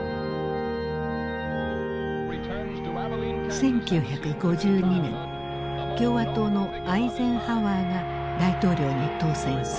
１９５２年共和党のアイゼンハワーが大統領に当選する。